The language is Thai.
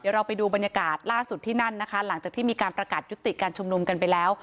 เราไปดูบรรยากาศล่าสุดที่นั่นนะคะหลังจากที่มีการประกาศยุติการชุมนุมกันไปแล้ว